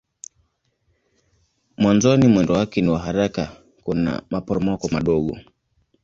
Mwanzoni mwendo wake ni wa haraka kuna maporomoko madogo.